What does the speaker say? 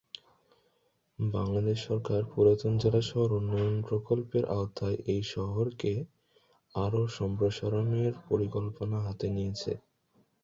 বাংলাদেশ সরকার পুরাতন জেলা শহর উন্নয়ন প্রকল্পের আওতায় এই শহরকে আরও সম্প্রসারণের পরিকল্পনা হাতে নিয়েছে।